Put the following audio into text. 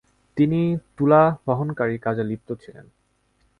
তিনি তুলা বহনকারীর কাজে লিপ্ত ছিলেন।